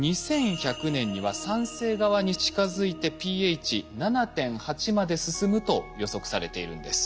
２１００年には酸性側に近づいてｐＨ７．８まで進むと予測されているんです。